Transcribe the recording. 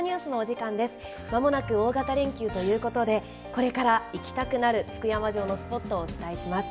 間もなく大型連休ということでこれから行きたくなる福山城のスポットをお伝えします。